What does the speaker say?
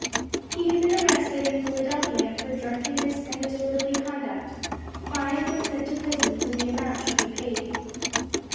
He had been arrested in Philadelphia for drunkenness and disorderly conduct, fined and sent to prison till the amount should be paid.